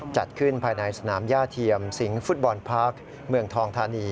จัดขึ้นภายในสนามย่าเทียมสิงห์ฟุตบอลพาร์คเมืองทองธานี